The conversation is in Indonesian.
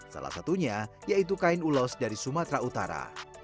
salah satunya yaitu kain ulos dari sumatera utara